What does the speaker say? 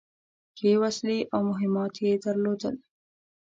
ښې وسلې او مهمات يې درلودل.